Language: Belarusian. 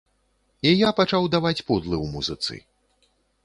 Я і пачаў даваць пудлы ў музыцы.